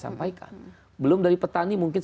sampaikan belum dari petani mungkin